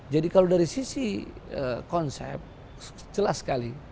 jadi kalau dari sisi konsep jelas sekali